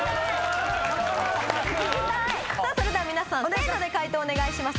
それでは皆さんせの！で解答お願いします。